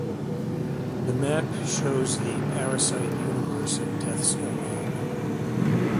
The Mapp shows the parasite universe of Death's Domain.